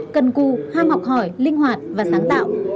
cần cù ham học hỏi linh hoạt và sáng tạo